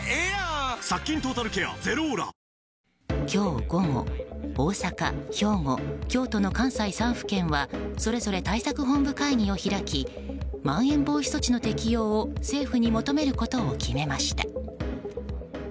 今日午後、大阪、兵庫、京都の関西３府県はそれぞれ対策本部会議を開きまん延防止措置の適用を政府に求めることを決めました。